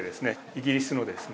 イギリスのですね